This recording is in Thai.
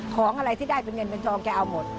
ของอะไรที่ได้เป็นเงินเป็นทองแกเอาหมด